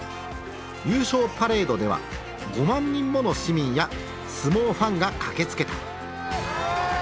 優勝パレードでは５万人もの市民や相撲ファンが駆けつけた。